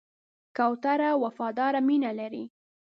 کوتره وفاداره مینه لري.